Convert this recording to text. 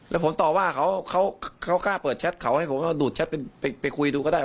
แล้วผมตอบว่าเขากล้าเปิดแชทเขาให้ผมดูดแชทไปคุยดูก็ได้